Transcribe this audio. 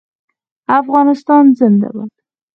افغانستان زنده باد.